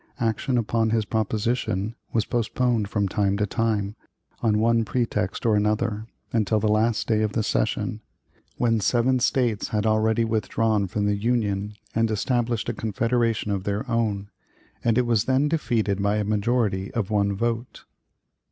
Action upon his proposition was postponed from time to time, on one pretext or another, until the last day of the session when seven States had already withdrawn from the Union and established a confederation of their own and it was then defeated by a majority of one vote.